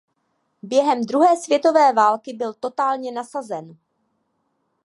Během druhé světové války byl totálně nasazen.